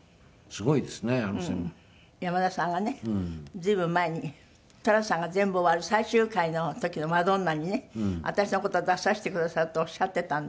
随分前に寅さんが全部終わる最終回の時のマドンナにね私の事出させてくださるっておっしゃっていたんで。